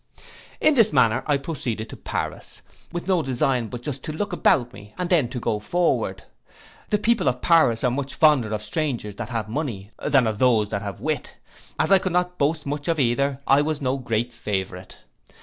'In this manner I proceeded to Paris, with no design but just to look about me, and then to go forward. The people of Paris are much fonder of strangers that have money, than of those that have wit. As I could not boast much of either, I was no great favourite.